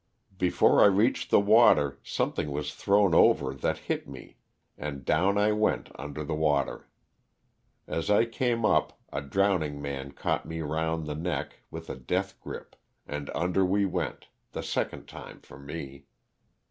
Before I reached the water some thing was thrown over that hit me and down I went LOSS OF THE SULTANA. 79 under the water. As I came up a drowning man caught me around the neck with a death grip, and under we went — the second time for me.